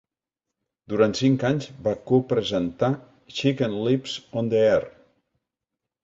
Durant cinc anys va co-presentar Chicken Lips on the Air!